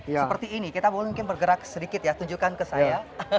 seperti ini kita boleh mungkin bergerak sedikit ya tunjukkan ke saya